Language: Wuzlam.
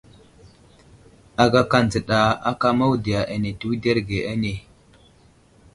Agaka dzəka aka mawudiya ane awuderge ane .